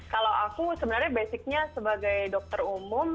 kalau aku sebenarnya basicnya sebagai dokter umum